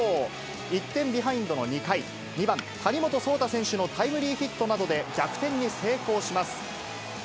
１点ビハインドの２回、２番谷本颯太選手のタイムリーヒットなどで逆転に成功します。